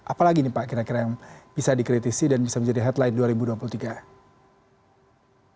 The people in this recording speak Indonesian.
apalagi nih pak kira kira yang bisa dikritisi dan bisa menjadi headline dua ribu dua puluh tiga